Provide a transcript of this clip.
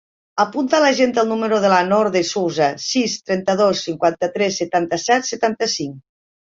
Apunta a l'agenda el número de la Noor De Souza: sis, trenta-dos, cinquanta-tres, setanta-set, setanta-cinc.